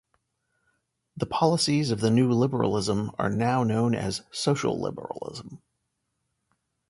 The policies of the New Liberalism are now known as social liberalism.